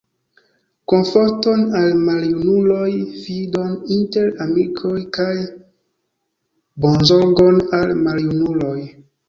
Komforton al maljunuloj, fidon inter amikoj, kaj bonzorgon al maljunuloj.